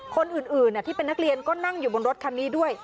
คนอื่นที่เป็นนักเรียนก็นั่งอยู่บนรถคันนี้ด้วย